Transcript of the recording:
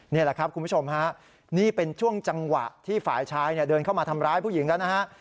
นี่แหละครับคุณผู้ชมฮะนี่เป็นช่วงจังหวะที่ฝ่ายชายเดินเข้ามาทำร้ายผู้หญิงแล้วนะฮะ